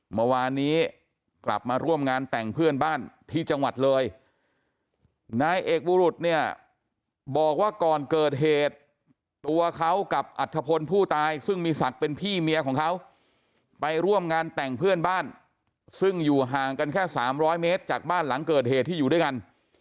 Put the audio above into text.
เมื่อวานนี้กลับมาร่วมงานแต่งเพื่อนบ้านที่จังหวัดเลยนายเอกบุรุษเนี่ยบอกว่าก่อนเกิดเหตุตัวเขากับอัธพลผู้ตายซึ่งมีศักดิ์เป็นพี่เมียของเขาไปร่วมงานแต่งเพื่อนบ้านซึ่งอยู่ห่างกันแค่๓๐๐เมตรจากบ้านหลังเกิดเหตุที่อยู่ด้วยกัน